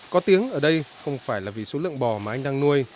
có tiếng ở đây không phải là vì số lượng bò mà anh đang nuôi